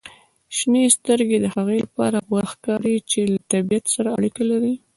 • شنې سترګې د هغوی لپاره غوره ښکاري چې د طبیعت سره اړیکه لري.